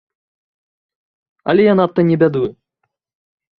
Але я надта не бядую.